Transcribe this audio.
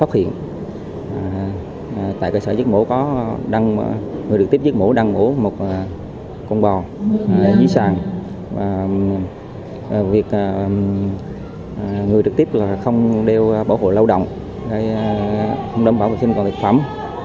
không đảm bảo vệ sinh còn thực phẩm